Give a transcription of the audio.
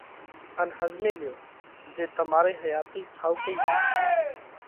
ان ۿزمي ليو تو تمارئِي حياتئِي ٺائُوڪئِي وِيتشي۔